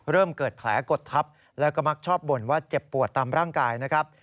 เริ่มเกิดแผลกดทับแล้วก็มักชอบบ่นว่าเจ็บปวดตามร่างกายนะครับ